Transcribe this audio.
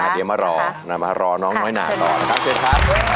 เดี๋ยวมารอมารอน้องน้อยหน่าต่อนะคะช่วยค่ะ